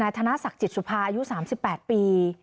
ธนศักดิ์จิตสุภาอายุ๓๘ปี